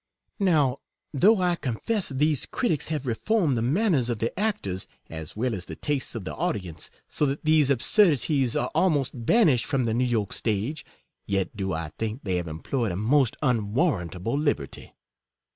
Now, though I confess these critics have reformed the manners of the actors, as well as the tastes of the audience, so that these absurdities are almost banished from the New York stage, yet do I think they have em ployed a most unwarrantable liberty.